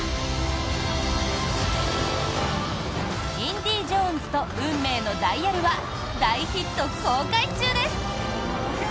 「インディ・ジョーンズと運命のダイヤル」は大ヒット公開中です。